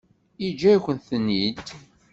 Yeǧǧa-yakent-ten-id?